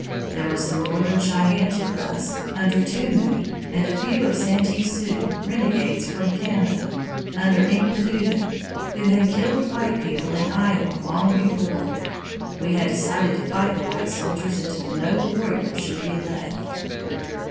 There were some Northern Cheyennes with us, under Two Moon, and a few Santee Sioux, renegades from Canada, under Inkpaduta, who had killed white people in Iowa long before. We had decided to fight the white soldiers until no warrior should be left."